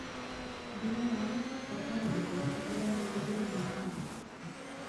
বিড়াল এমন সব কথা বলে যা একটি বিড়াল বলবে বলে মনে হয় না।